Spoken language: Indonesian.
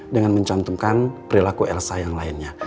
dengan mencantumkan perilaku elsa yang lainnya